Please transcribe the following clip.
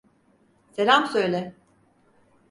Selam söyle.